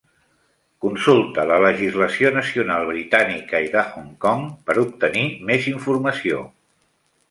Consulta la legislació nacional britànica i de Hong Kong per obtenir més informació.